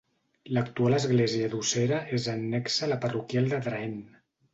L'actual església d'Ossera és annexa a la parroquial d'Adraén.